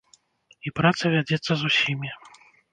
І праца вядзецца з усімі.